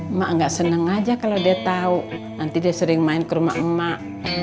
emak gak seneng aja kalau dia tau nanti dia sering main ke rumah emak